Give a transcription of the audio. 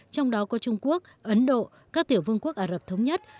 trong đó có trung quốc ấn độ các tiểu vương quốc ả rập thống nhất